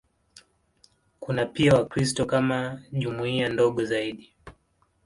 Kuna pia Wakristo kama jumuiya ndogo zaidi.